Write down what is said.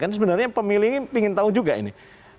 kan sebenarnya pemilih ini ingin tahu juga ini